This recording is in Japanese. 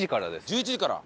１１時から。